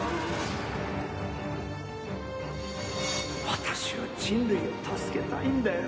私は人類を助けたいんだよ。